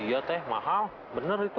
iya teh mahal bener itu